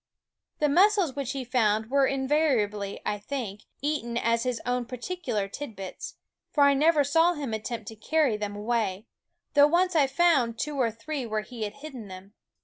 The mussels which he found were invari ably, I think, eaten as his own particular tid bits; for I never saw him attempt to carry them away, though once I found two or three where he had hidden them.